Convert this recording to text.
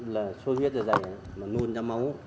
là sôi huyết ra dày mà nôn nha máu